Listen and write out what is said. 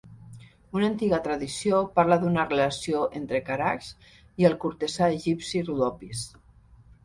Una antiga tradició parla d'una relació entre Carax i el cortesà egipci Rodopis.